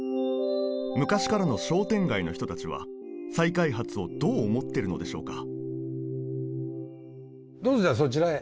昔からの商店街の人たちは再開発をどう思ってるのでしょうかどうぞじゃあそちらへ。